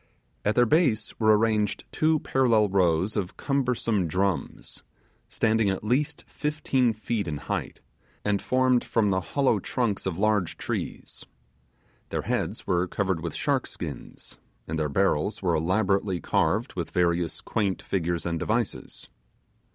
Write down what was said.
At their base were arranged two parallel rows of cumbersome drums, standing at least fifteen feet in height, and formed from the hollow trunks of large trees. Their heads were covered with shark skins, and their barrels were elaborately carved with various quaint figures and devices.